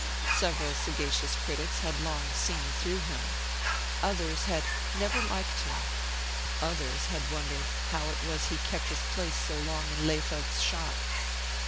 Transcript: Several sagacious critics had long "seen through him"; others had "never liked him"; others had wondered how it was he kept his place so long in Lehfeldt's shop.